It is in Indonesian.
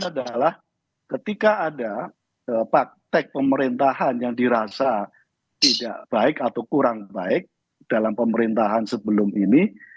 adalah ketika ada praktek pemerintahan yang dirasa tidak baik atau kurang baik dalam pemerintahan sebelum ini